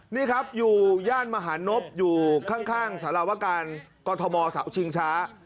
นี่ครับอยู่ย่านมหานพอยู่ข้างสารวการกรทมเสาชิงช้า